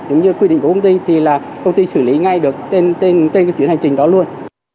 cũng như quy định của công ty thì là công ty xử lý ngay được trên cái chuyến hành trình đó luôn